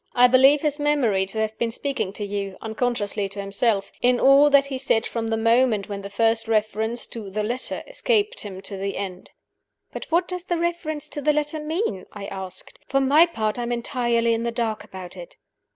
I believe his memory to have been speaking to you (unconsciously to himself) in all that he said from the moment when the first reference to 'the letter' escaped him to the end." "But what does the reference to the letter mean?" I asked. "For my part, I am entirely in the dark about it."